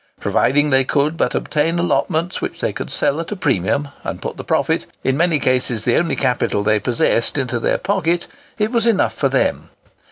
Provided they could but obtain allotments which they could sell at a premium, and put the profit—in many cases the only capital they possessed —into their pocket, it was enough for them.